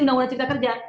undang undang cipta kerja